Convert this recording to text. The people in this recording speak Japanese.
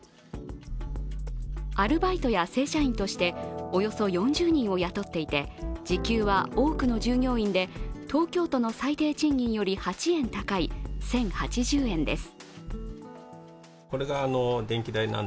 アルバイトや正社員としておよそ４０人を雇っていて時給は多くの従業員で東京都の最低賃金より８円高い１０８０円です。